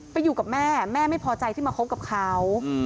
อยู่กับแม่แม่ไม่พอใจที่มาคบกับเขา